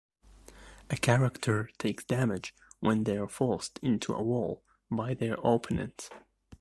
A character takes damage when they're forced into a wall by their opponent.